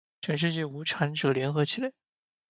全世界无产者，联合起来！